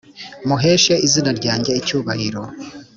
muheshe izina ryanjye icyubahiro